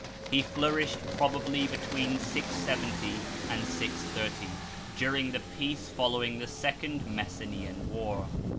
He flourished probably between 670 and 630, during the peace following the Second Messenian War.